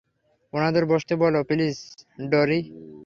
ওনাদের বসতে বলো, প্লিজ, ডোরি।